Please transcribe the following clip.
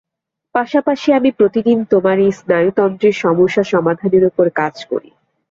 পাশাপাশি আমি প্রতিদিন তোমার এই স্নায়ুতন্ত্রের সমস্যা সমাধানের ওপর কাজ করি।